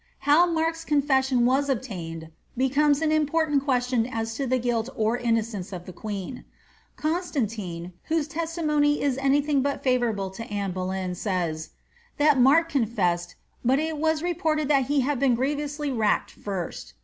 How Markka confession was obtained becomes an important question as to the guilt or innocence of the queen. Constantine, whose testimony is any thing bat fiivourable to Anne Boleyn, says, ^ that Mark confessed, but it was rtfported that he had been grievously racked first."